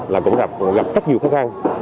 là cũng gặp rất nhiều khó khăn